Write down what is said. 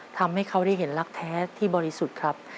ทำให้เขาได้เห็นรักแท้ที่บริสุทธิ์ครับ